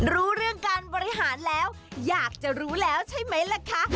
รู้เรื่องการบริหารแล้วอยากจะรู้แล้วใช่ไหมล่ะคะ